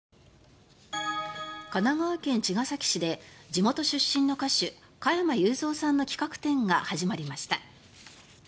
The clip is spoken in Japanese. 神奈川県茅ヶ崎市で地元出身の歌手、加山雄三さんの企画展が始まりました。